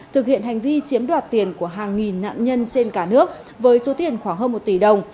thực hiện hành vi chiếm đoạt tiền của hàng nghìn nạn nhân trên cả nước với số tiền khoảng hơn một tỷ đồng